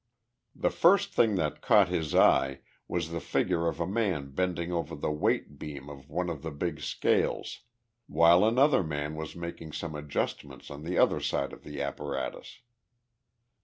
The first thing that caught his eye was the figure of a man bending over the weight beam of one of the big scales, while another man was making some adjustments on the other side of the apparatus.